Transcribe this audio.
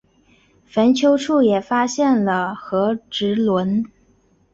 坟丘处也发现了和埴轮。